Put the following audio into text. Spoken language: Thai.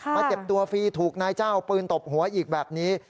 เจ็บตัวฟรีถูกนายเจ้าเอาปืนตบหัวอีกแบบนี้